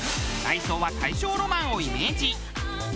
内装は大正ロマンをイメージ。